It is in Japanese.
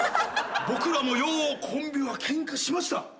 僕らもようコンビはケンカしました。